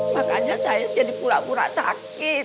makanya saya jadi pura pura sakit